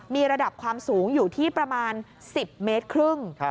มีระดับความสูงอยู่ที่ประมาณ๑๐เมตรครึ่ง